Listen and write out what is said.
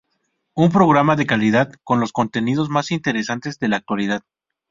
Un programa de calidad, con los contenidos más interesantes de la actualidad.